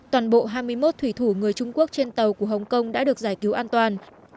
toàn bộ hai mươi một thủy thủ người trung quốc trên tàu của hồng kông đã được giải cứu an toàn